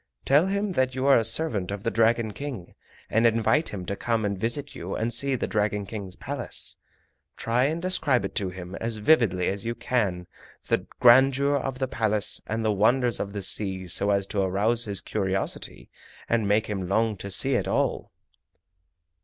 Tell him that you are a servant of the Dragon King, and invite him to come and visit you and see the Dragon King's Palace. Try and describe to him as vividly as you can the grandeur of the Palace and the wonders of the sea so as to arouse his curiosity and make him long to see it all!"